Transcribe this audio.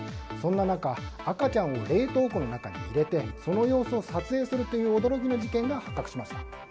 そんな中赤ちゃんを冷凍庫の中に入れてその様子を撮影するという驚きの事件が発覚しました。